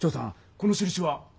このしるしは？